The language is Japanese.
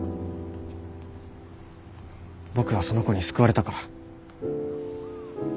僕はその子に救われたから。